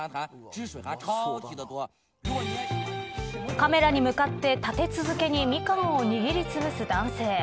カメラに向かって立て続けにミカンを握りつぶす男性。